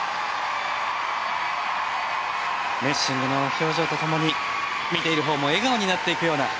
メッシングの表情と共に見ているほうも笑顔になっていくような